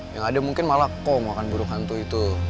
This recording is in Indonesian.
yang ada mungkin malah kok makan buruk hantu itu